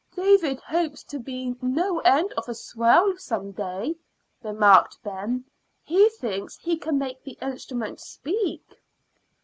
"David hopes to be no end of a swell some day," remarked Ben. "He thinks he can make the instrument speak."